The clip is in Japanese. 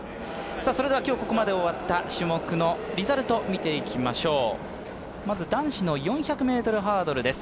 それではここまで終わった種目のリザルトを見ていきましょう。